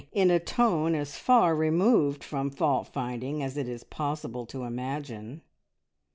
in a tone as far removed from fault finding as it is possible to imagine.